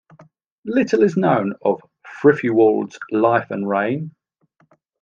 Little is known of Frithuwald's life and reign.